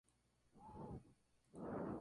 Apareció en "Getting It".